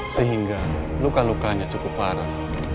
sehingga luka lukanya cukup parah